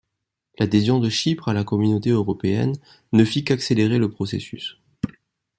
L'adhésion de Chypre à la Communauté européenne ne fit qu'accélérer le processus.